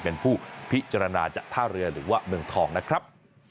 เป็นผู้พิจารณาจากท่าเรือหรือว่าเมืองทองนะครับ